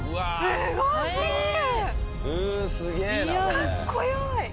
かっこよい！